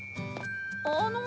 あの？